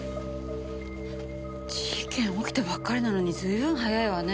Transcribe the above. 事件起きたばっかりなのに随分早いわね。